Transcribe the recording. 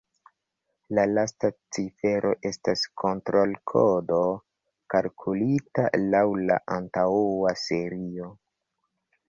La lasta cifero estas kontrol-kodo kalkulita laŭ la antaŭa serio.